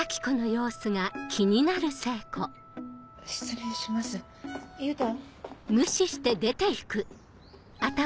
失礼します優太。